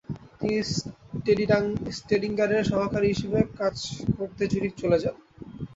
তিনি স্টেডিঙ্গারের সহকারী হিসেবে কাজ করতে জুরিখ চলে যান।